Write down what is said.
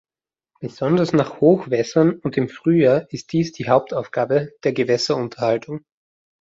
Besonders nach Hochwässern und im Frühjahr ist dies die Hauptaufgabe der Gewässerunterhaltung.